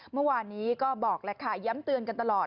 เมื่อวานนี้ก็บอกแล้วค่ะย้ำเตือนกันตลอด